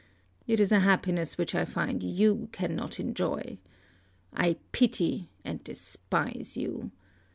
It is a happiness which I find you cannot enjoy. I pity and despise you.